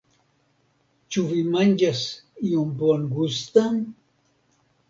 Ĉu vi manĝas ion bongustan?